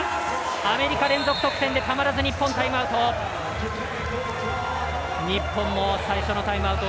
アメリカ連続得点でたまらず日本タイムアウト。